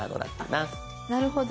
なるほど。